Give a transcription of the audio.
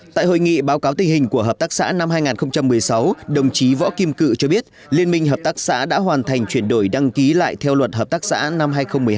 tại hội nghị báo cáo tình hình của hợp tác xã năm hai nghìn một mươi sáu đồng chí võ kim cự cho biết liên minh hợp tác xã đã hoàn thành chuyển đổi đăng ký lại theo luật hợp tác xã năm hai nghìn một mươi hai